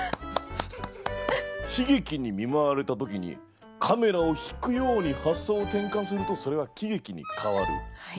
悲劇に見舞われたときにカメラを引くように発想を転換するとそれは喜劇に変わる。